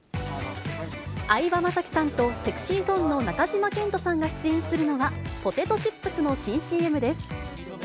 相葉雅紀さんとＳｅｘｙＺｏｎｅの中島健人さんが出演するのは、ポテトチップスの新ＣＭです。